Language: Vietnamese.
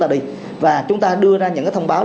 là đi và chúng ta đưa ra những cái thông báo